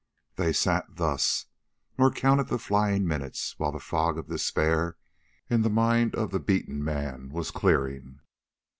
They sat thus, nor counted the flying minutes, while the fog of despair in the mind of the beaten man was clearing.